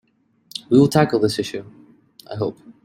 We will tackle this issue, I hope.